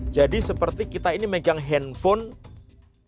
jadi seperti kita ini megang handphone